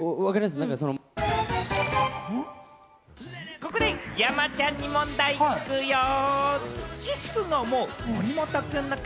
ここで山ちゃんに問題いくよー。